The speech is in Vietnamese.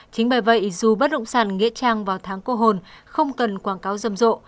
chính bởi vậy dù bất động sàn nghệ trang vào tháng cô hồn không cần quảng cáo rầm rộ